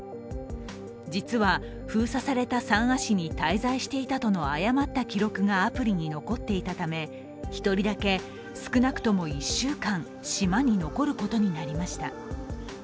実は、封鎖された三亜市に滞在していたとの誤った記録がアプリに残っていたため１人だけ少なくとも１週間、島に残ることになりました。